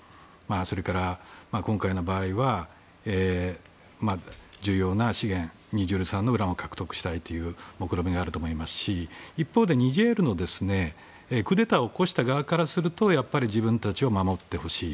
それから、今回の場合は重要な資源ニジェール産のウランを獲得したいという目論見があると思いますし一方でニジェールのクーデターを起こした側からするとやっぱり自分たちを守ってほしい。